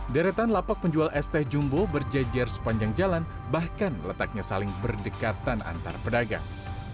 deretan lapak penjual esteh jumbo berjajer sepanjang jalan bahkan letaknya saling berdekatan antar pedagang